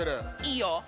いいよ。